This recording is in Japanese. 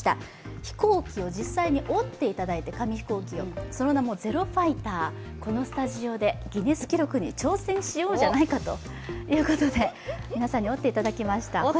紙飛行機を実際に折っていただいてその名もゼロファイター、このスタジオでギネス記録に挑戦しようじゃないかということで皆さんに折っていただきました。